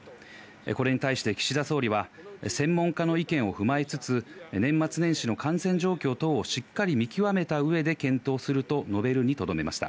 これに対して岸田総理は専門家の意見を踏まえつつ、年末年始の感染状況等をしっかり見極めたうえで検討すると述べるにとどめました。